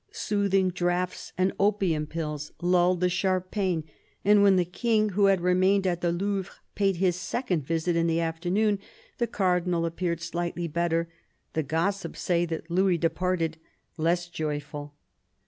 Soothing draughts and opium pills lulled the sharp pain, and when the King, who had remained at the Louvre, paid his second visit in the afternoon, the Cardinal appeared slightly better. The gossips say that Louis departed " less joyful."